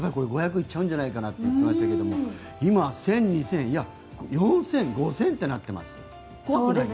行っちゃうんじゃないかなって言ってましたけど今、１０００人、２０００人４０００、５０００ってなってます。